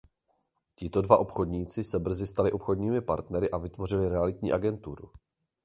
Tito dva obchodníci se brzy stali obchodními partnery a vytvořili realitní agenturu.